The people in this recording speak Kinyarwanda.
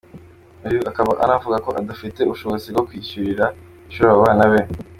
Uyu akaba anavuga ko adafite ubushobozi bwo kwishyurira ishuri abo bana be.